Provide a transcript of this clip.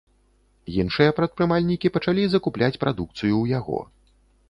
Іншыя прадпрымальнікі пачалі закупляць прадукцыю ў яго.